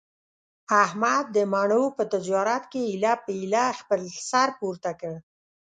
احمد د مڼو په تجارت کې ایله په ایله خپل سر پوره کړ.